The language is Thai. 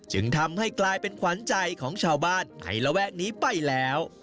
จึงทำให้กลายเป็นขวัญใจของชาวบ้านในระแวกนี้ไปแล้ว